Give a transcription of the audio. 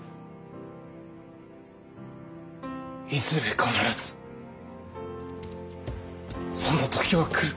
いずれ必ずその時は来る！